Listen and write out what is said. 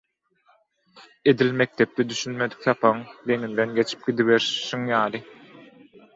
edil mekdepde düşünmedik sapagyň deňinden geçip gidiberişiň ýaly